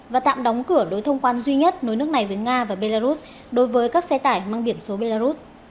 và tạm đóng cửa đối thông quan duy nhất nối nước này với nga và belarus đối với các xe tải mang biển số belarus